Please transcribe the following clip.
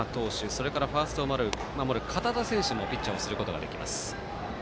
それから、ファーストを守る堅田選手もピッチャーをすることができます。